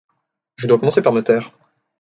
Je dois commencer par me taire.